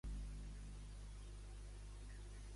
Per a què van ser portats a judici Atutxa, Bilbao i Knorr?